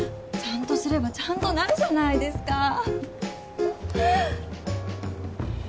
ちゃんとすればちゃんとなるじゃないですか！